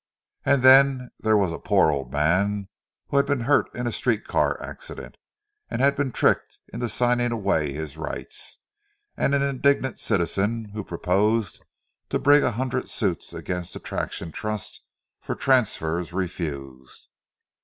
And then there was a poor old man who had been hurt in a street car accident and had been tricked into signing away his rights; and an indignant citizen who proposed to bring a hundred suits against the traction trust for transfers refused.